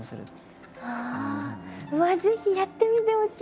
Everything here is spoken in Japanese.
ぜひやってみてほしい！